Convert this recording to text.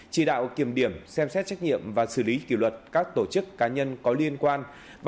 chỉ đạo kiểm điểm xem xét trách nhiệm và xử lý kỷ luật các tổ chức cá nhân có liên quan